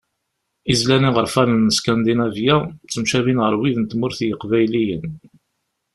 Izlan iɣerfanen n Skandinavya ttemcabin ɣer wid n tmurt n yiqbayliyen.